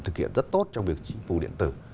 thực hiện rất tốt trong việc chính phủ điện tử